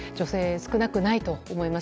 少なくないと思います。